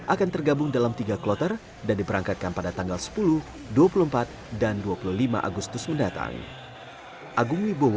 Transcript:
akan tergabung dalam tiga kloter dan diperangkatkan pada tanggal sepuluh dua puluh empat dan dua puluh lima agustus mendatang